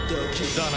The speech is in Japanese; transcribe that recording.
だな。